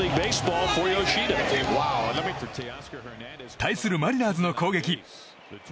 対するマリナーズの攻撃。